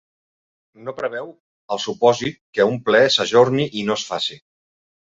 No preveu el supòsit que un ple s’ajorni i no es faci.